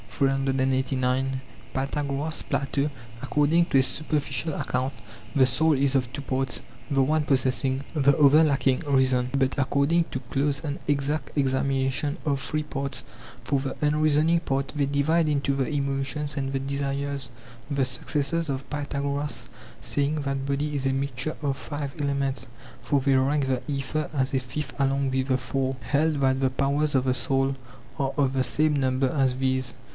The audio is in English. Pythagoras, Plato: According to a superficial account the soul is of two parts, the one possessing, the other lacking, reason; but according to close and exact examination, of three parts; for the unreasoning part they divide into the emotions and the desires. (Theodor. vy. 20); Dox. 890. The successors of Pythagoras saying that body is a mixture of five elements (for they ranked the aether as ar fifth along with the four) held that the powers of the soul are of the same number as these.